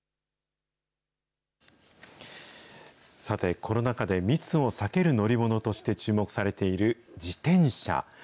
さて、コロナ禍で密を避ける乗り物として注目されている自転車。